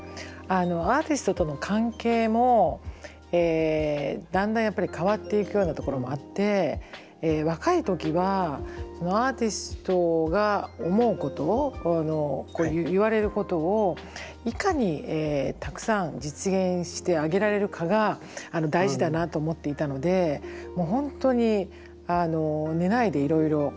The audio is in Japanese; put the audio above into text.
アーティストとの関係もだんだんやっぱり変わっていくようなところもあって若い時はそのアーティストが思うこと言われることをいかにたくさん実現してあげられるかが大事だなと思っていたのでもう本当に寝ないでいろいろ考えて実現をする。